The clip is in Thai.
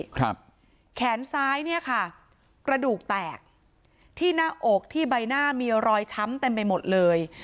ครับแขนซ้ายเนี่ยค่ะกระดูกแตกที่หน้าอกที่ใบหน้ามีรอยช้ำเต็มไปหมดเลย